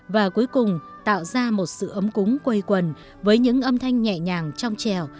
và cuối cùng tạo ra một sự ấm cúng quây quần với những âm thanh nhẹ nhàng trong trèo